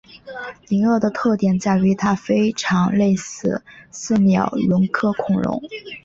灵鳄的特点在于它非常类似似鸟龙科恐龙。